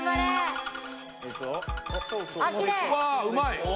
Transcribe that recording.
うまい。